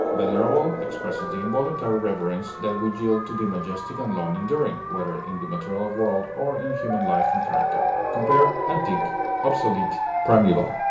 Venerable expresses the involuntary reverence that we yield to the majestic and long enduring, whether in the material world or in human life and character. Compare ANTIQUE; OBSOLETE; PRIMEVAL.